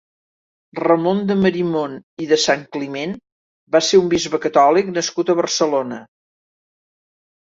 Ramon de Marimon i de Santcliment va ser un bisbe catòlic nascut a Barcelona.